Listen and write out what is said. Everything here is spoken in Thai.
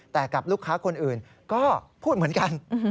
แต่กับลูกค้าคนอื่นก็พูดเหมือนกัน